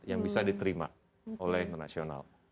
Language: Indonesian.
yang bisa diterima oleh internasional